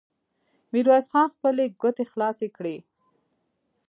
ميرويس خان خپلې ګوتې خلاصې کړې.